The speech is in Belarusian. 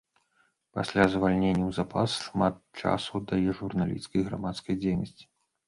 Пасля звальнення ў запас шмат часу аддае журналісцкай і грамадскай дзейнасці.